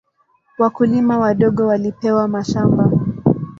Wakulima wadogo walipewa mashamba.